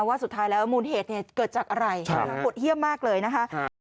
ว่าสุดท้ายแล้วมูลเหตุเกิดจากอะไรหดเยี่ยมมากเลยนะคะ